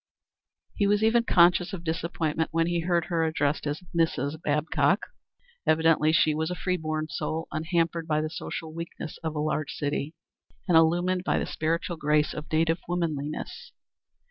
He was even conscious of disappointment when he heard her addressed as Mrs. Babcock. Evidently she was a free born soul, unhampered by the social weaknesses of a large city, and illumined by the spiritual grace of native womanliness.